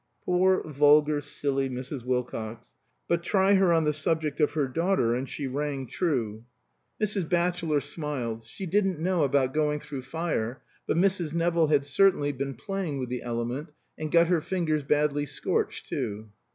Poor vulgar, silly Mrs. Wilcox! But try her on the subject of her daughter, and she rang true. Miss Batchelor smiled. She didn't know about going through fire; but Mrs. Nevill had certainly been playing with the element, and got her fingers badly scorched too.